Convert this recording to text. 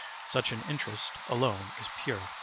Such an interest alone is pure.